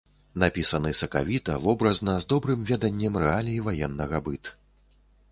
Напісаны сакавіта, вобразна, з добрым веданнем рэалій ваеннага быт.